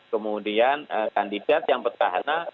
kemudian kandidat yang pertama